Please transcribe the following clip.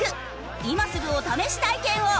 今すぐお試し体験を。